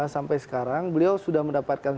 sampai sekarang beliau sudah mendapatkan